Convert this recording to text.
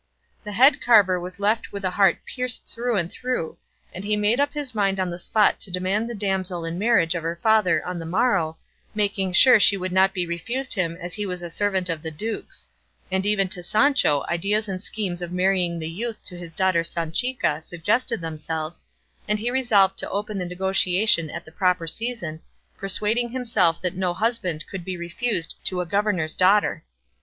The head carver was left with a heart pierced through and through, and he made up his mind on the spot to demand the damsel in marriage of her father on the morrow, making sure she would not be refused him as he was a servant of the duke's; and even to Sancho ideas and schemes of marrying the youth to his daughter Sanchica suggested themselves, and he resolved to open the negotiation at the proper season, persuading himself that no husband could be refused to a governor's daughter.